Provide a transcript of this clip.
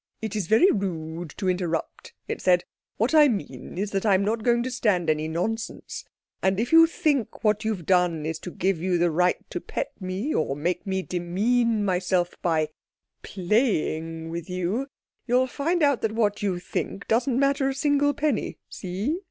"It's very rude to interrupt," it said; "what I mean is that I'm not going to stand any nonsense, and if you think what you've done is to give you the right to pet me or make me demean myself by playing with you, you'll find out that what you think doesn't matter a single penny. See?